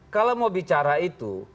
kalau mau bicara itu